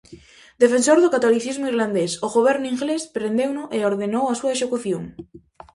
Defensor do catolicismo irlandés, o goberno inglés prendeuno e ordenou a súa execución.